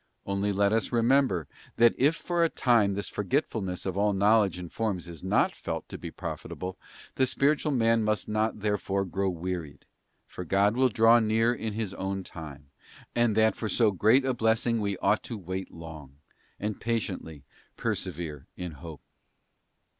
Only let us remember, that if for a time this forgetfulness of all know ledge and forms is not felt to be profitable, the spiritual man must not therefore grow wearied; for God will draw near in His own time, and that for so great a blessing we ought to wait long, and patiently persevere in Hope.